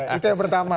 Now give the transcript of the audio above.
itu yang pertama